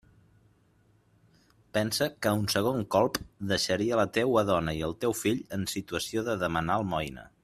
Pensa que un segon colp deixaria la teua dona i el teu fill en situació de demanar almoina.